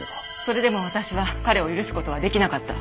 それでも私は彼を許す事はできなかった。